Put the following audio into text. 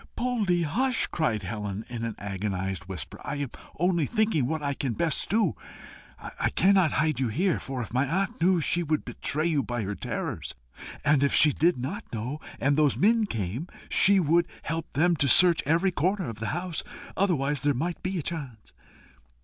Poldie, hush!" cried Helen, in an agonized whisper. "I am only thinking what I can best do. I cannot hide you here, for if my aunt knew, she would betray you by her terrors; and if she did not know, and those men came, she would help them to search every corner of the house. Otherwise there might be a chance."